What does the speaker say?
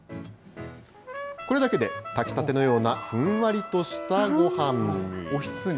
これだけで炊きたてのようなふんわりとしたごはんに。